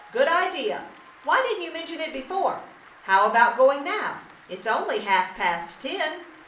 "Good idea! Why didn't you mention it before? How about going now? It's only half past ten.